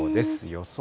予想